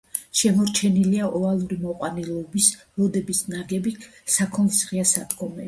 შემორჩენილია ოვალური მოყვანილობის, ლოდებით ნაგები საქონლის ღია სადგომები.